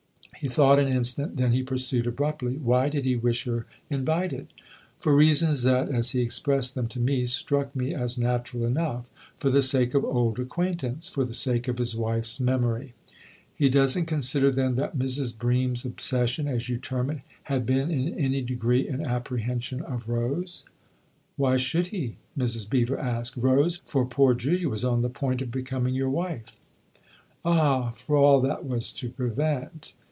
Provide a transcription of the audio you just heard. He thought an instant, then he pursued abruptly :" Why did he wish her nvited ?"" For reasons that, as he expressed them to me, struck me as natural enough. For the sake of old acquaintance for the sake of his wife's memory." THE OTHER HOUSE 123 " He doesn't consider, then, that Mrs. Bream's obsession, as you term it, had been in any degree an apprehension of Rose ?"" Why should he ?" Mrs. Beever asked. " Rose, for poor Julia, was on the point of becoming your wife." " Ah ! for all that was to prevent